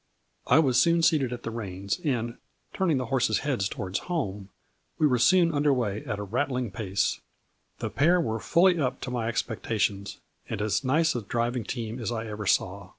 I was soon seated at the reins, and, turning the horses' heads towards home, we were soon under way at a rattling pace. The pair were fully up to my expectations, and as nice a driv ing team as I ever saw.